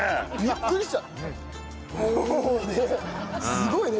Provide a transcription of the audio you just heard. すごいね。